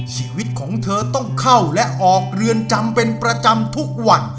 ชีวิตของเธอต้องเข้าและออกเรือนจำเป็นประจำทุกวัน